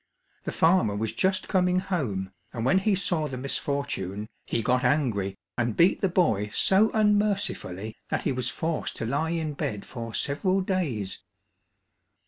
The farmer was just coming home, and when he saw the misfortune, he got angry and beat the boy so unmercifully that he was forced to lie in bed for several days.